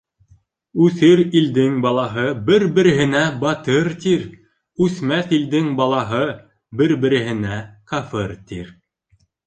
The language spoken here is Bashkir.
Үҫер илдең балаһы бер-береһенә «батыр» тир, Үҫмәҫ илдең балаһы бер-береһенә «кафыр» тир.